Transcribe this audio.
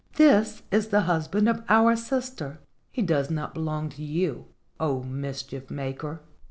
This is the husband of our sister; he does not belong to you, O mischief maker."